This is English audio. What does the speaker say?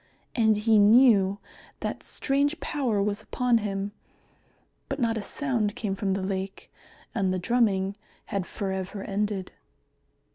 And he knew that strange power was upon him. But not a sound came from the lake, and the drumming had for ever ended.